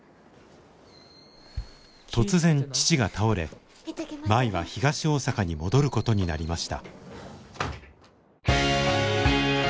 突然父が倒れ舞は東大阪に戻ることになりました。